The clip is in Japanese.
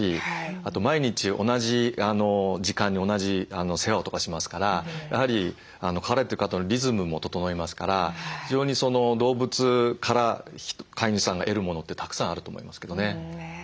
あと毎日同じ時間に同じ世話とかしますからやはり飼われてる方のリズムも整いますから非常に動物から飼い主さんが得るものってたくさんあると思いますけどね。